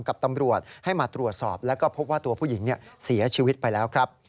กับตำรวจให้มาตรวจสอบแล้วก็พบว่าตัวผู้หญิงเสียชีวิตไปแล้วครับ